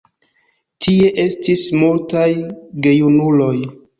Tie estis multaj gejunuloj.